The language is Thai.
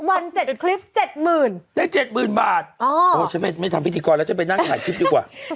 อะไรนะได้๗๐๐๐๐บาทโอ้โฮฉันไม่ทำพิธีกรแล้วฉันไปนั่งขายคลิปดีกว่า